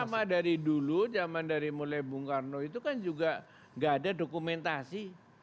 sama dari dulu zaman dari mulai bung karno itu kan juga gak ada dokumentasi